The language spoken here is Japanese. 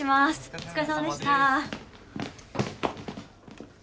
お疲れさまです。